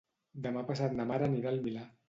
Demà passat na Mar anirà al Milà.